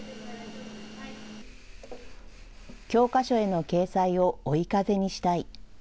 教科書への掲載を追い風にしたい。